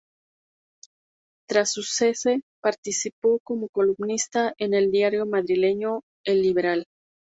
Tras su cese participó como columnista en el diario madrileño "El Liberal".